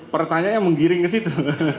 pertanyaannya menggiring ke situ